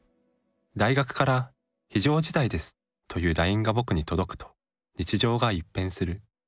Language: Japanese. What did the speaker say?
大学から「非常事態です」というラインが僕に届くと日常が一変する。